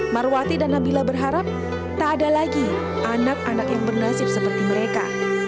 marwati dan nabila berharap tak ada lagi anak anak yang bernasib seperti mereka